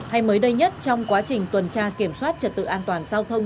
hay mới đây nhất trong quá trình tuần tra kiểm soát trật tự an toàn giao thông